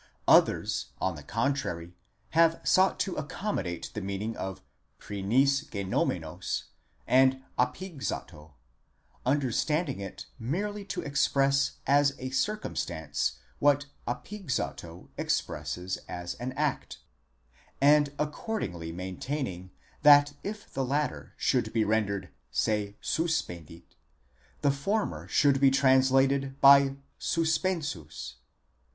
Others on the contrary have sought to accommodate the meaning of πρηνὴς γενόμενος to ἀπήγξατο, understanding it merely to express as a circumstance what ἀπήγξατο expresses as an act: and accordingly maintaining that if the latter should be rendered se suspendit, the former should be translated by suspensus.